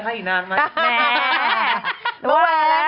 ใหม่เหรอวะเรา